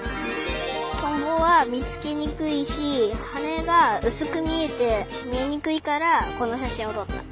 トンボはみつけにくいしはねがうすくみえてみえにくいからこのしゃしんをとった。